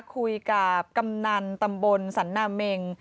คุยกับกำนันตำบลสันนาเมง